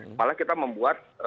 malah kita membuat